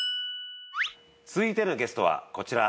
続いてのゲストはこちら。